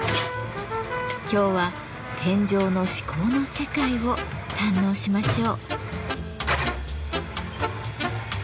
今日は天井の至高の世界を堪能しましょう。